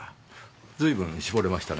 随分絞れましたね。